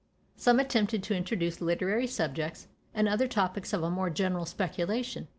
Some attempted to introduce literary subjects, and others topics of a more general speculation.